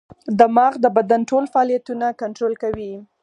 دماغ د بدن ټول فعالیتونه کنټرول کوي.